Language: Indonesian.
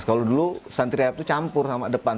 kalau dulu santri rehab tuh campur sama depan